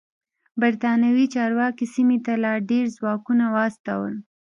برېتانوي چارواکو سیمې ته لا ډېر ځواکونه واستول.